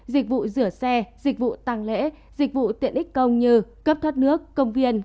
dịch vụ rửa xe dịch vụ tăng lễ dịch vụ tiện ích công như cấp thoát nước công viên